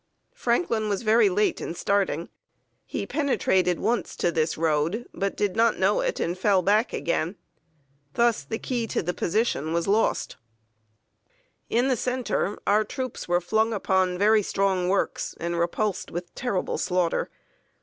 Franklin was very late in starting. He penetrated once to this road, but did not know it, and again fell back. Thus the key to the position was lost. In the center, our troops were flung upon very strong works, and repulsed with terrible slaughter.